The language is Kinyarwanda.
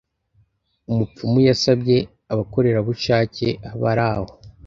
Umupfumu yasabye abakorerabushake abari aho.